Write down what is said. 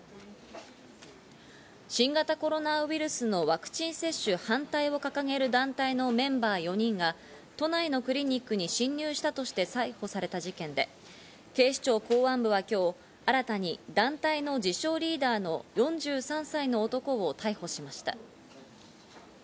新型コロナウイルスのワクチン接種反対を掲げる団体のメンバー４人が都内のクリニックに侵入したとして逮捕された事件で、警視庁公安部は今日新たに団体の自称リーダーの４３歳の男を逮捕しました。